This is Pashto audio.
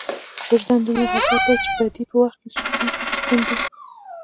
وجدان دومره حساس دی چې بدۍ په وخت کې سکونډي.